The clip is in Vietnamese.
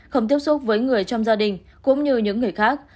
không tiếp xúc với người trong gia đình cũng như những người khác